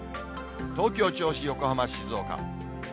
東京、銚子、横浜、静岡。